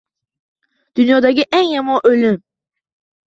Dunyodagi eng yomon o’lim –